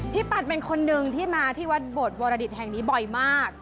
ปัดเป็นคนหนึ่งที่มาที่วัดโบดวรดิตแห่งนี้บ่อยมาก